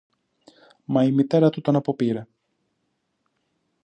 Μα η μητέρα του τον αποπήρε.